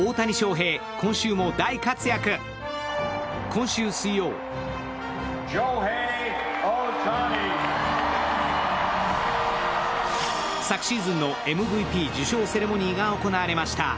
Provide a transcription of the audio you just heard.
今週水曜昨シーズンのＭＶＰ授賞セレモニーが行われました。